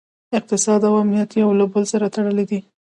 اقتصاد او امنیت یو له بل سره تړلي دي